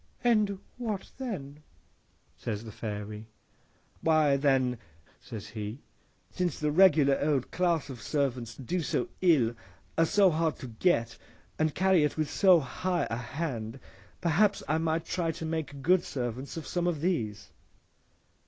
—'And what then?' says the Fairy.—'Why, then,' says he, 'since the regular old class of servants do so ill, are so hard to get, and carry it with so high a hand, perhaps I might try to make good servants of some of these.